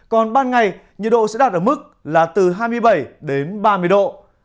còn ban ngày nhiệt độ sẽ đạt ở mức là từ hai mươi bảy đến ba mươi độ